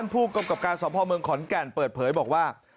ผู้กำกับการสมภาพเมืองขอนแก่นเปิดเผยบอกว่า